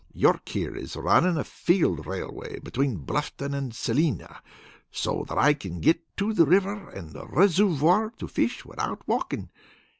York here is runnin' a field railway between Bluffton and Celina, so that I can get to the river and the resurvoir to fish without walkin'.